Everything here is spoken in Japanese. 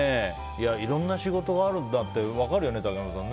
いろんな仕事があるんだって分かるよね、竹山さん。